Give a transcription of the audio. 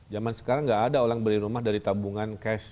zaman sekarang nggak ada orang beli rumah dari tabungan cash